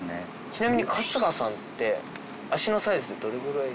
ちなみに春日さんって足のサイズどれぐらい？